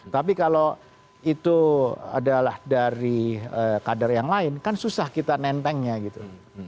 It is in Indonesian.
tapi kalau itu adalah dari kader yang lain kan susah kita nentengnya gitu